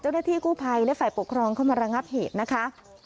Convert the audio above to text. เจ้าหน้าที่กู้ภัยและฝ่ายปกครองเข้ามาระงับเหตุนะคะ